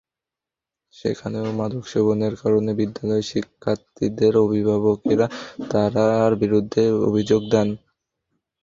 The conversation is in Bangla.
সেখানেও মাদক সেবনের কারণে বিদ্যালয়ের শিক্ষার্থীদের অভিভাবকেরা তাঁর বিরুদ্ধে অভিযোগ দেন।